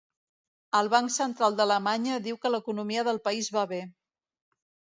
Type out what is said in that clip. El banc central d'Alemanya diu que l'economia del país va bé